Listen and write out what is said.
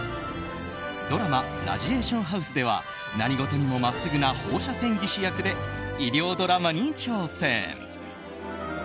ドラマ「ラジエーションハウス」では何事にも真っすぐな放射線技師役で医療ドラマに挑戦。